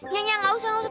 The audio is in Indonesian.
nyanya ga usah gausah